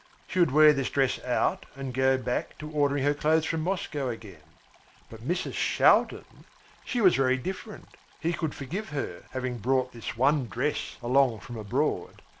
She would wear this dress out and go back to ordering her clothes from Moscow again. But Mrs. Shaldin, she was very different. He could forgive her having brought this one dress along from abroad.